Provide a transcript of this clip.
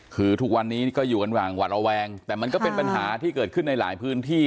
คือทุกวันนี้ก็อยู่กันอย่างหวัดระแวงแต่มันก็เป็นปัญหาที่เกิดขึ้นในหลายพื้นที่